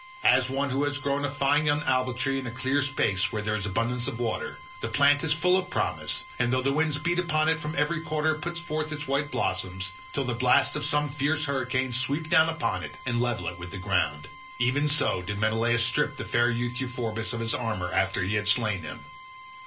As one who has grown a fine young olive tree in a clear space where there is abundance of water—the plant is full of promise, and though the winds beat upon it from every quarter it puts forth its white blossoms till the blasts of some fierce hurricane sweep down upon it and level it with the ground—even so did Menelaus strip the fair youth Euphorbus of his armour after he had slain him.